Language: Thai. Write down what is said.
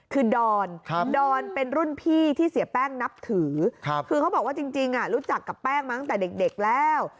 คือดอนดอนเป็นรุ่นพี่ที่เสียแป้งนับถือคือเขาบอกว่าจริงรู้จักกับแป้งมาตั้งแต่เด็กแล้ว